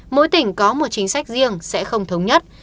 mỗi tỉnh có một chính sách riêng sẽ không thống nhất